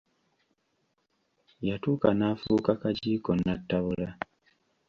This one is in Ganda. Yatuuka n'afuuka kagiiko nattabula.